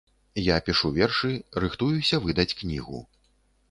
Я пішу вершы, рыхтуюся выдаць кнігу.